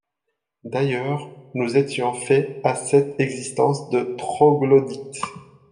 D’ailleurs, nous étions faits à cette existence de troglodytes.